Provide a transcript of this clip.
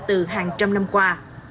từ hàng trăm năm qua